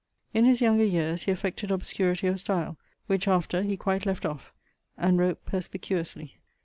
In his younger yeares he affected obscurity of style, which, after, he quite left off, and wrote perspicuously.